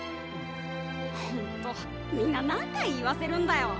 ほんとみんな何回言わせるんだよ。